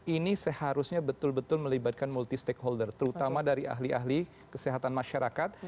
ini seharusnya betul betul melibatkan multi stakeholder terutama dari ahli ahli kesehatan masyarakat